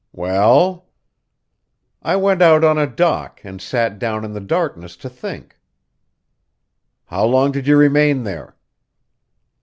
"Well?" "I went out on a dock and sat down in the darkness to think." "How long did you remain there?"